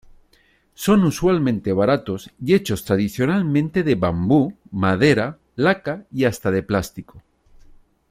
Son usualmente baratos y hechos tradicionalmente de bambú, madera, laca, y hasta de plástico.